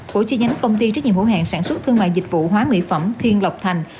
của chi nhánh công ty trách nhiệm hữu hạng sản xuất thương mại dịch vụ hóa mỹ phẩm thiên lộc thành